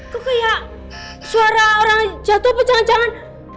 kok kayak suara orang jatuh pecahan jangan jangan